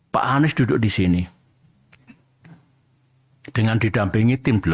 pak anies duduk di sini dengan didampingi tim delapan